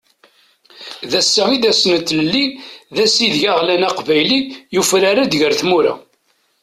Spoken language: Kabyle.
D ass-a i d ass n tlelli, d ass ideg aɣlan aqbayli, yufrar-d ger tmura.